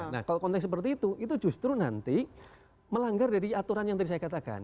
nah kalau konteks seperti itu itu justru nanti melanggar dari aturan yang tadi saya katakan